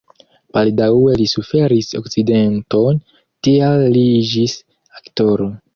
Baldaŭe li suferis akcidenton, tial li iĝis aktoro.